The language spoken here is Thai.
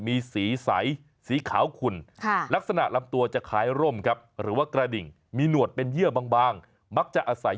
มักจะอีกอยู่ในน้ำดิ่งนะครับถูกพบในลำน้ำเข็กกัล่างน้ำดิง